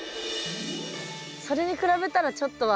それに比べたらちょっとは。